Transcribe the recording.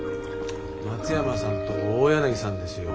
松山さんと大柳さんですよ。